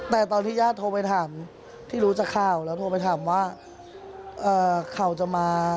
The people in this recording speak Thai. แต่ตอนที่ญาติโทรไปถามที่รู้จากข่าวแล้วโทรไปถามว่าเขาจะมา